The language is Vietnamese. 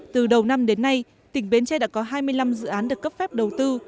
từ đầu năm đến nay tỉnh bến tre đã có hai mươi năm dự án được cấp phép đầu tư